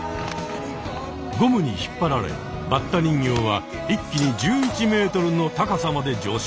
ゴムに引っ張られバッタ人形は一気に１１ｍの高さまで上しょう。